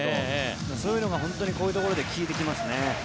そういうのがこういうところで効いてきますね。